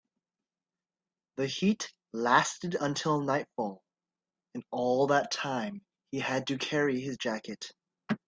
The heat lasted until nightfall, and all that time he had to carry his jacket.